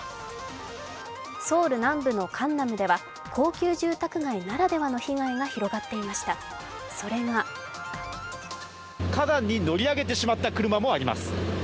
ソウル南部のカンナムでは高級住宅街ならではの被害が広がっていました、それが花壇に乗り上げてしまった車もあります。